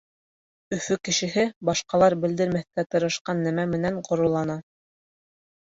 Өфө кешеһе башҡалар белдермәҫкә тырышҡан нәмә менән ғорурлана.